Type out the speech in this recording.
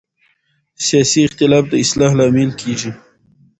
سیاسي اختلاف د اصلاح لامل کېږي